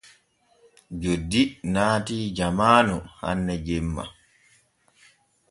Joddi naati jamaanu hanne jemma.